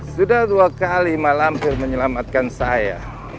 sudah dua kali mak lampir menyelamatkan saya